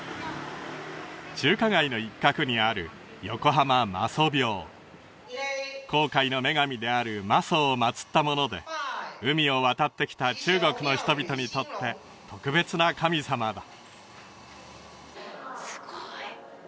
中華街の一角にある航海の女神である媽祖を祭ったもので海を渡ってきた中国の人々にとって特別な神様だ